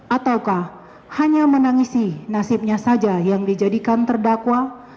ataukah hanya menangisi nasibnya saja yang dijadikan terdakwa